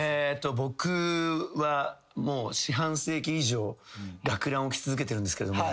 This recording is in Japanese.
えと僕はもう四半世紀以上学ランを着続けてるんですけど。